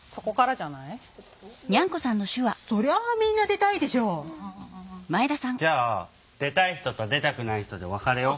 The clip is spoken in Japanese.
じゃあ出たい人と出たくない人で分かれよう。